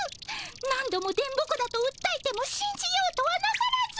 何度も電ボ子だとうったえてもしんじようとはなさらず。